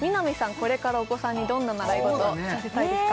これからお子さんにどんな習い事させたいですか？